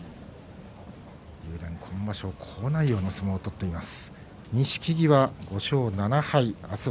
竜電、今場所好内容の相撲を取っています。